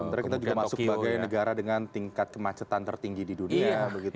sementara kita juga masuk sebagai negara dengan tingkat kemacetan tertinggi di dunia